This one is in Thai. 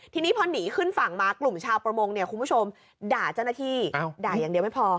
ทีนี้พอหนีขึ้นฝั่งมากลุ่มชาวประมงเนี่ยคุณผู้ชมด่าเจ้าหน้าที่ด่าอย่างเดียวไม่พอ